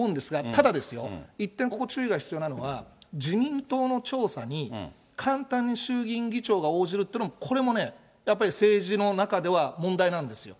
ただですよ、一点ここ注意が必要なのは、自民党の調査に簡単に衆議院議長が応じるっていうのもこれはね、やっぱり政治の中では問題なんですよ。